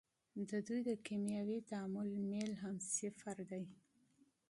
د دوی د کیمیاوي تعامل میل هم صفر دی.